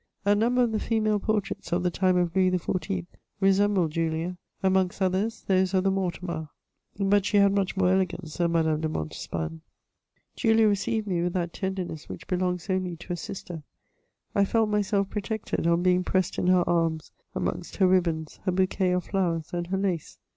A number of the female portraits of the time of Louis XIV. resembled Julia ; amongst others, those of the Mortemarts ; but she had much more elegance than Madame de Montespan. Julia received me with that tenderness which belongs only to a sister. I felt myself protected on being pressed in her arms, amongst her ribbons, her bouqnei of flowers and her koe.